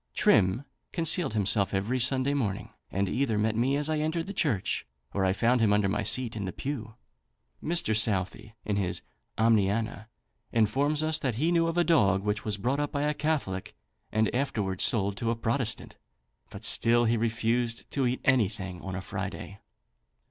Trim concealed himself every Sunday morning, and either met me as I entered the church, or I found him under my seat in the pew. Mr. Southey, in his "Omniana," informs us that he knew of a dog, which was brought up by a Catholic and afterwards sold to a Protestant, but still he refused to eat anything on a Friday.